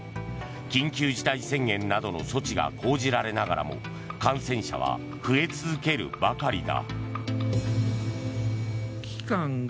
緊急事態宣言などの措置が講じられながらも感染者は増え続けるばかりだ。